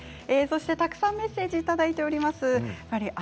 たくさんメッセージをいただいています。